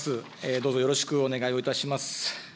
どうぞよろしくお願いをいたします。